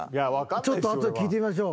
ちょっとあとで聞いてみましょう。